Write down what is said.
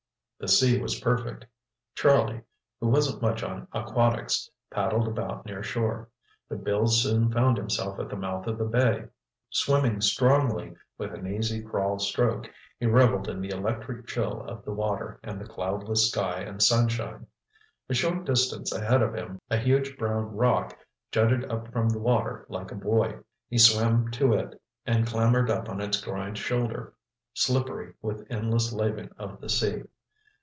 The sea was perfect. Charlie, who wasn't much on aquatics, paddled about near shore, but Bill soon found himself at the mouth of the bay. Swimming strongly, with an easy crawl stroke, he revelled in the electric chill of the water and the cloudless sky and sunshine. A short distance ahead of him, a huge brown rock jutted up from the water like a buoy. He swam to it and clambered up on its groined shoulder, slippery with endless laving of the sea.